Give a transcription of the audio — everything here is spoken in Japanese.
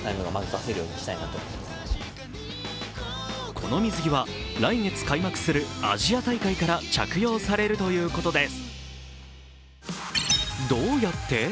この水着は来月開幕するアジア大会から着用されるということです。